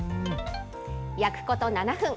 焼くこと７分。